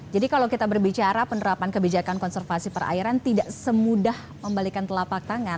jadi kalau kita berbicara penerapan kebijakan konservasi perairan tidak semudah membalikan telapak tangan